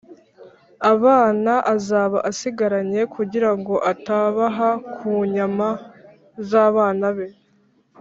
’abana azaba asigaranye, kugira ngo atabaha ku nyama z’abana be